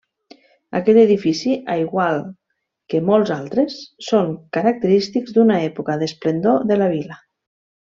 Aquest edifici, a igual que molts altres, són característics d'una època d'esplendor de la vila.